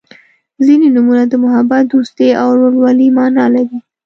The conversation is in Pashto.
• ځینې نومونه د محبت، دوستۍ او ورورولۍ معنا لري.